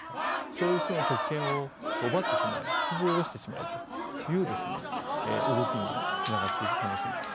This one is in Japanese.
そういう人の特権を奪ってしまえ引きずり下ろしてしまえという動きにつながっていく可能性もある。